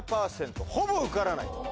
ほぼ受からない。